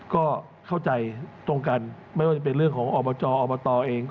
ก็เข้าใจตรงกันไม่ว่าจะเป็นเรื่องของอบจอบตเอง